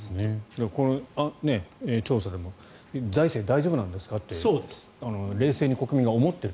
この調査でも財政、大丈夫なんですか？って冷静に国民が思っている。